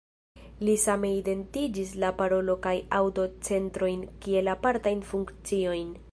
Li same identigis la parolo- kaj aŭdo-centrojn kiel apartajn funkciojn.